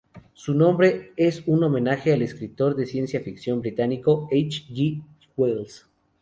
Su nombre es un homenaje al escritor de ciencia ficción británico H. G. Wells.